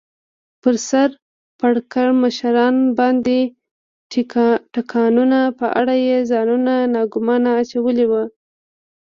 پر سر پړکمشرانو باندې د ټکانونو په اړه یې ځانونه ناګومانه اچولي و.